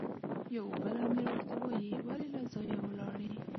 یو بل امیر ورته وایي، ولې له ځایه ولاړې؟